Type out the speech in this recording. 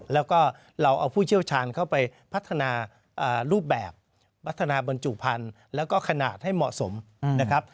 แล้วก็เราเอาผู้เชี่ยวชาญเข้าไปพัฒนารูปแบบพัฒนาบรรจุพันธุ์แล้วก็ขนาดให้เหมาะสมนะครับ